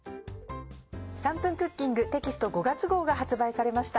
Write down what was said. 『３分クッキング』テキスト５月号が発売されました。